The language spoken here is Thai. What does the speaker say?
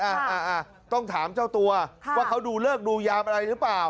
อ่ะต้องถามเจ้าตัวว่าเขาดูเลิกดูยามอะไรหรือเปล่า